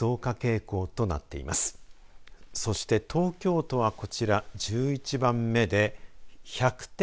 そして東京都はこちら、１１番目。